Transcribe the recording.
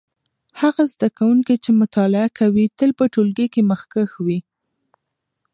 هغه زده کوونکی چې مطالعه کوي تل په ټولګي کې مخکښ وي.